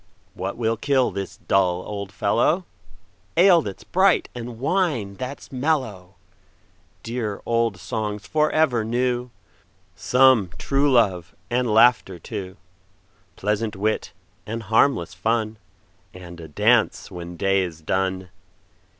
What will kill this dull old fellow? Ale that 's bright, and wine that 's mellow! Dear old songs for ever new; Some true love, and laughter too; Pleasant wit, and harmless fun, And a dance when day is done.